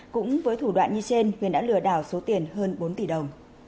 cũng với thủ đoạn như trên huyền đã lừa đảo số tiền hơn bốn tỷ đồng